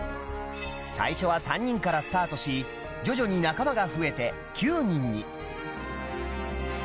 最初は３人からスタートし徐々に仲間が増えて９人に